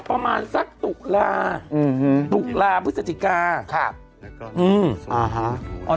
ประมาณสักตุ๊กลาตุ๊กลาพฤษฐกาครับ